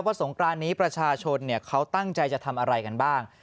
สงกรานนี้ประชาชนเขาตั้งใจจะทำอะไรกันบ้าง